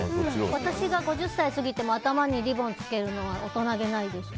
私が５０歳過ぎても頭にリボンをつけるのは大人げないですか？